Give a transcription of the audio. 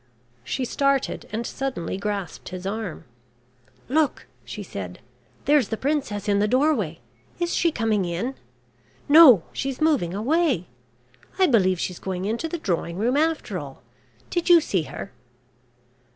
She started, and suddenly grasped his arm. "Look," she said, "there's the princess in the doorway. Is she coming in? No! She's moving away. I believe she's going into the drawing room after all. Did you see her?"